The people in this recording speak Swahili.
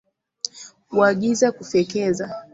Kuagiza kufyekeza